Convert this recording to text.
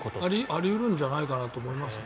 あり得るんじゃないかなと思います。